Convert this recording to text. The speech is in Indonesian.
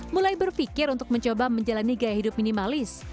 mulai berpikir untuk mencoba menjalani gaya hidup minimalis